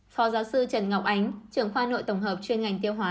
phó giáo sư trần ngọc ánh trưởng khoa nội tổng hợp chuyên ngành tiêu hóa